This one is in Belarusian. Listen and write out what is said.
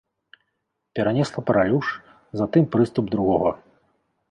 Перанесла паралюш, затым прыступ другога.